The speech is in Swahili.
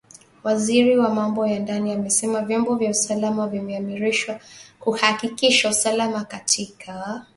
Waziri wa Mambo ya Ndani amesema vyombo vya usalama vimeimarishwa kuhakikisha usalama katika uchaguzi na nchi.